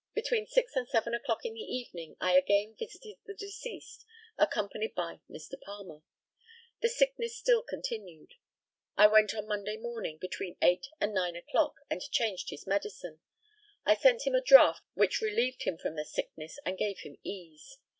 Between six and seven o'clock in the evening I again visited the deceased, accompanied by Mr. Palmer. The sickness still continued. I went on Monday morning, between eight and nine o'clock, and changed his medicine. I sent him a draught which relieved him from the sickness, and gave him ease.